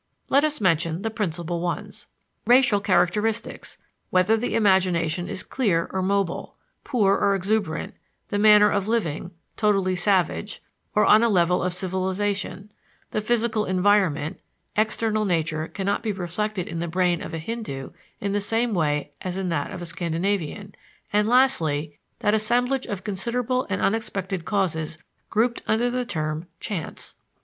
Let us mention the principal ones: Racial characteristics whether the imagination is clear or mobile, poor or exuberant; the manner of living totally savage, or on a level of civilization; the physical environment external nature cannot be reflected in the brain of a Hindoo in the same way as in that of a Scandinavian; and lastly, that assemblage of considerable and unexpected causes grouped under the term "chance."